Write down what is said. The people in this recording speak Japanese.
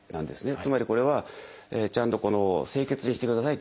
つまりこれはちゃんと清潔にしてくださいということ。